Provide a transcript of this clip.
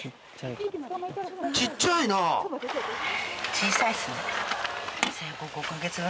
小さいっすね。